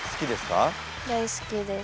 大好きです。